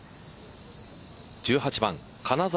１８番金澤